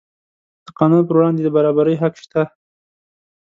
د قانون پر وړاندې د برابرۍ حق شته.